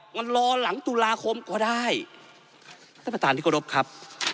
มันรอหลังตุลาคมกว่าได้ท่านประตานธิกฎพครับ